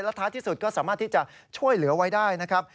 ท้ายที่สุดก็สามารถที่จะช่วยเหลือไว้ได้นะครับ